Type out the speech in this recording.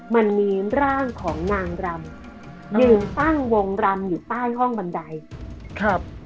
มันมีร่างของนางรำยืนตั้งวงรำอยู่ใต้ห้องบันไดครับ